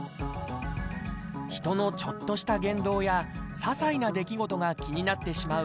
人のちょっとした言動や些細な出来事が気になってしまう